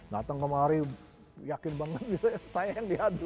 datang kemari yakin banget bisa saya yang diadu